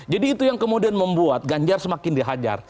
jadi itu yang kemudian membuat ganjar semakin dihajar